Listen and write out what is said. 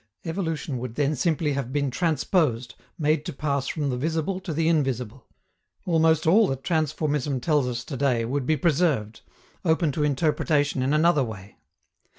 Evolution would then simply have been transposed, made to pass from the visible to the invisible. Almost all that transformism tells us to day would be preserved, open to interpretation in another way.